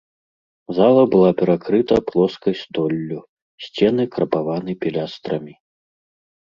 Зала была перакрыта плоскай столлю, сцены крапаваны пілястрамі.